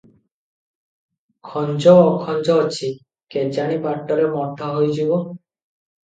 ଖଂଜ ଅଖଂଜ ଅଛି, କେଜାଣି ବାଟରେ ମଠ ହୋଇଯିବ ।